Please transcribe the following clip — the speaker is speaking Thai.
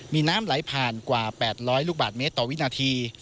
มีน้ำไหลผ่านกว่า๘๐๐ลูกบาทเมตรต่อวินาที